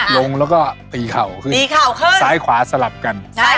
ลงแล้วก็ตีเข่าสายคว้าศลับกัน